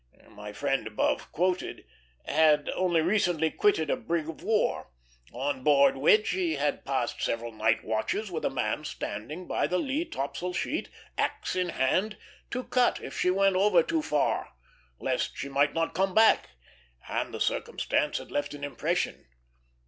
My friend above quoted had only recently quitted a brig of war, on board which he had passed several night watches with a man standing by the lee topsail sheet, axe in hand, to cut if she went over too far, lest she might not come back; and the circumstance had left an impression.